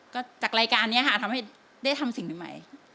ก็จากรายการนี้ค่ะทำให้ได้ทำสิ่งใหม่